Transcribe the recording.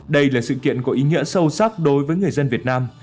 đây là sự kiện có ý nghĩa sâu sắc đối với người dân việt nam